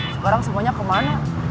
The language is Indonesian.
sekarang semuanya kemana